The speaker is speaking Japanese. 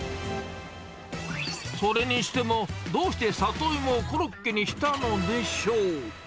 それにしてもどうしてサトイモをコロッケにしたのでしょう。